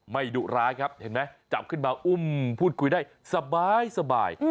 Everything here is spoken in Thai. ดุร้ายครับเห็นไหมจับขึ้นมาอุ้มพูดคุยได้สบาย